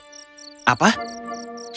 siapa yang mendapat topi